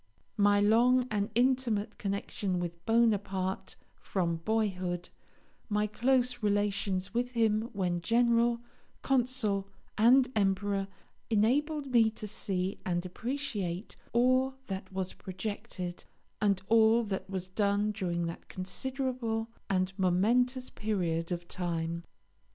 My long and intimate connection with Bonaparte from boyhood, my close relations with him when General, Consul, and Emperor, enabled me to see and appreciate all that was projected and all that was done during that considerable and momentous period of time.